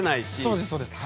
そうですそうです。